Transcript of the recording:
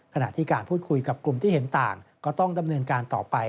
ขณะที่การพูดคุยกับกลุ่มที่เห็นต่างก็ต้องดำเนินการต่อไป